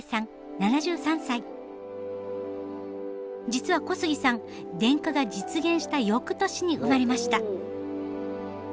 実は小杉さん電化が実現したよくとしに生まれました。